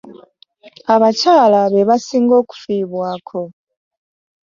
Abakyala be basinga okufiibwako.